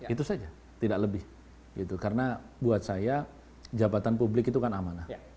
itu saja tidak lebih karena buat saya jabatan publik itu kan amanah